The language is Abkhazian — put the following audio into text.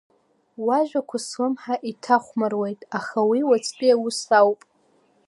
Уажәақәа слымҳа иҭахәмаруеит, аха уи уаҵәтәи усуп.